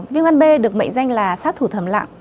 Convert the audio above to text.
viêm gan b được mệnh danh là sát thủ thầm lặng